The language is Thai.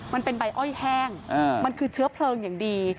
มันเป็นใบอ้อยแห้งมันคือเชื้อเพลิงอย่างดี